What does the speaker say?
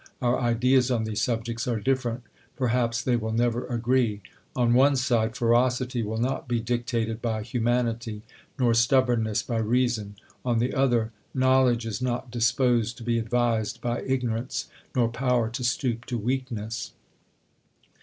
Our ideas on these subjects are ditTerent ; perhaps they will never agree. On one side, ferocity will not be dictated by humanitv, nor stubbornness by reason ; on the other, knowledg;. is not disposed to be advised by ignorance, nor power lo stoop to weakness.